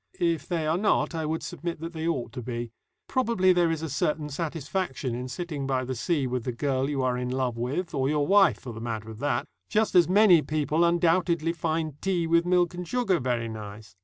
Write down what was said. If they are not, I would submit that they ought to be. Probably there is a certain satisfaction in sitting by the sea with the girl you are in love with, or your wife for the matter of that, just as many people undoubtedly find tea with milk and sugar very nice.